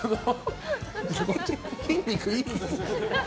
筋肉いいんですよ。